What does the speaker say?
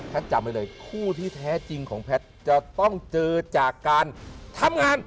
จำไว้เลยคู่ที่แท้จริงของแพทย์จะต้องเจอจากการทำงาน